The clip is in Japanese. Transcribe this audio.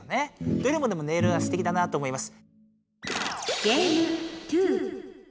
どれもでも音色がすてきだなと思います。